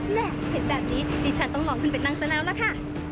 และเห็นแบบนี้ดิฉันต้องลองขึ้นไปนั่งสนับแล้วค่ะ